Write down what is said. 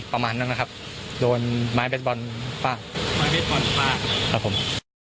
ประมาณนั้นนะครับโดนไม้แบสบอลฟ้าครับผม